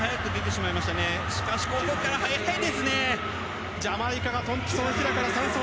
しかしここから速いですね！